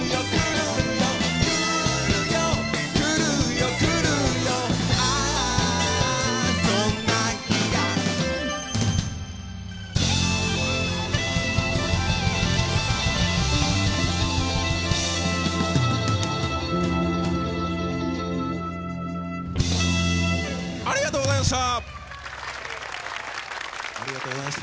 で「貞☆子」。ありがとうございました！